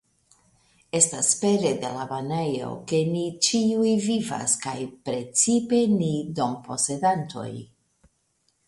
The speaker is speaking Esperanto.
Estas pere de la banejo, ke ni ĉiuj vivas, kaj precipe ni domposedantoj.